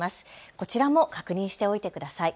こちらも確認しておいてください。